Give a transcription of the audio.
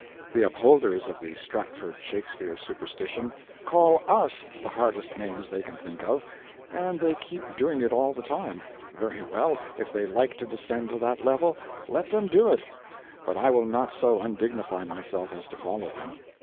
The upholders of the Stratford Shakespeare superstition call us the hardest names they can think of, and they keep doing it all the time; very well, if they like to descend to that level, let them do it, but I will not so undignify myself as to follow them.